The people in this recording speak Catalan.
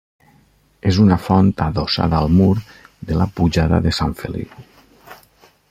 És una font adossada al mur de la pujada de Sant Feliu.